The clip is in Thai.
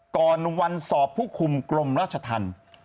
ก่อนวันสอบผู้คุมกรมราชธรรม